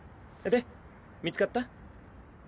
で見つかった？